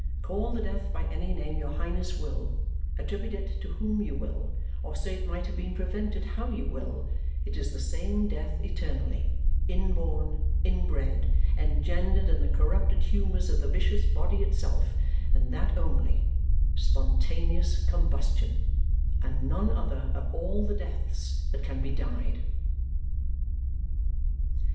Call the death by any name your Highness will, attribute it to whom you will, or say it might have been prevented how you will, it is the same death eternally inborn, inbred, engendered in the corrupted humours of the vicious body itself, and that only spontaneous combustion, and none other of all the deaths that can be died.